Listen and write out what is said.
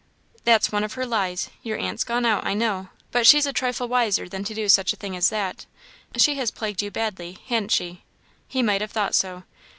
"That's one of her lies. Your aunt's gone out, I know; but she's a trifle wiser than to do such a thing as that. She has plagued you badly, han't she?" He might have thought so.